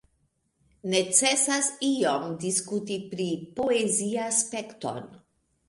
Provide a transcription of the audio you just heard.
Necesas iom diskuti la poeziaspekton.